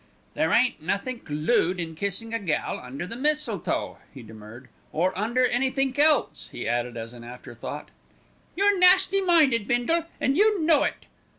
"There ain't nothink lood in kissin' a gal under the mistletoe," he demurred, "or under anythink else," he added as an after thought. "You're nasty minded, Bindle, and you know it."